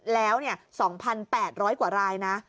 แล้ว๒๘๐๐กว่ารายนะ